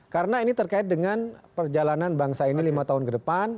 karena ini terkait dengan perjalanan bangsa ini lima tahun ke depan